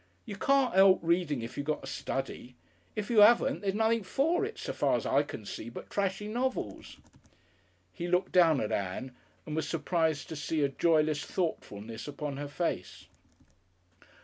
You can't 'elp reading if you got a study. If you 'aven't, there's nothing for it, so far's I can see, but treshy novels." He looked down at Ann and was surprised to see a joyless thoughtfulness upon her face.